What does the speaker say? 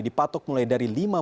dipatok mulai dari lima